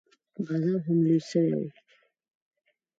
بازار هم لوى سوى و.